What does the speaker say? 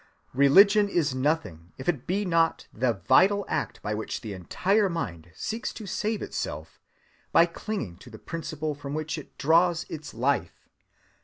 Religion is nothing if it be not the vital act by which the entire mind seeks to save itself by clinging to the principle from which it draws its life.